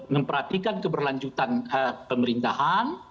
memperhatikan keberlanjutan pemerintahan